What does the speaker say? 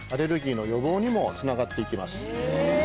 にもつながっていきます。